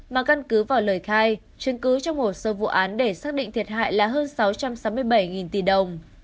mà căn cứ vào lời khai chứng cứ trong hồ sơ vụ án để xác định thiệt hại là hơn sáu trăm sáu mươi bảy tỷ đồng